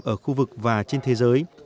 ở khu vực và trên thế giới